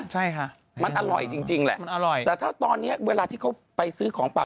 ใช่ค่ะมันอร่อยจริงจริงแหละมันอร่อยแต่ถ้าตอนเนี้ยเวลาที่เขาไปซื้อของป่า